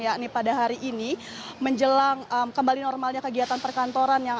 yakni pada hari ini menjelang kembali normalnya kegiatan perkantoran